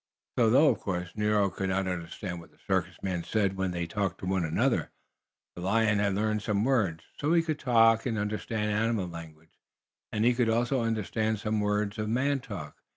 So, though of course Nero could not understand what the circus men said when they talked to one another, the lion had learned some words. So he could talk and understand animal language, and he could also understand some words of man talk.